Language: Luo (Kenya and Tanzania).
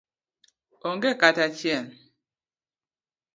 Onge kata achiel.